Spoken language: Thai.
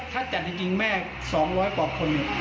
ถ้าจัดจริงแม่๒๐๐กว่าคน